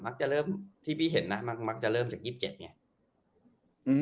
มักจะเริ่มที่พี่เห็นนะมักมักจะเริ่มจากยิบเจ็ดไงอืม